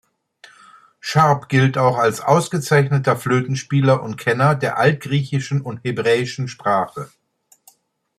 Sharp gilt auch als ausgezeichneter Flötenspieler und Kenner der altgriechischen und hebräischen Sprache.